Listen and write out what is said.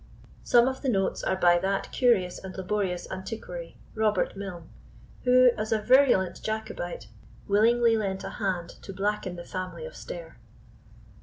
Some of the notes are by that curious and laborious antiquary, Robert Milne, who, as a virulent Jacobite, willingly lent a hand to blacken the family of Stair.